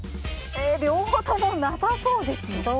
両方ともなさそうですけど。